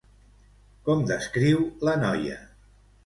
Com descriu la noia?